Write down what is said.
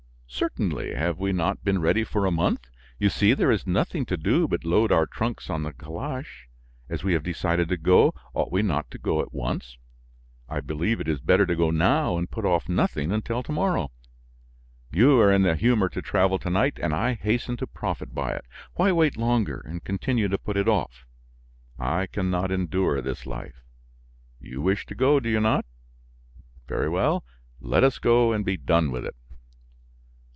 "Certainly; have we not been ready for a month? You see there is nothing to do but load our trunks on the calash; as we have decided to go, ought we not go at once? I believe it is better to go now and put off nothing until to morrow. You are in the humor to travel to night and I hasten to profit by it. Why wait longer and continue to put it off? I can not endure this life. You wish to go, do you not? Very well, let us go and be done with it."